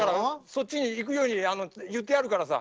そっちに行くように行ってあるからさ。